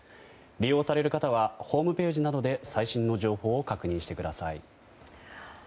利用される方はホームページなどで最新の情報を確認してください。